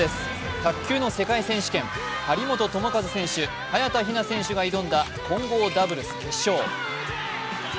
卓球の世界選手権、張本智和選手、早田ひな選手が挑んだ混合ダブルス決勝。